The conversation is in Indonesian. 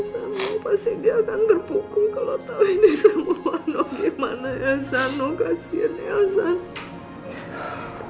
pasti dia akan terpukul kalau tau ini semua gimana elshanu kasihan elshanu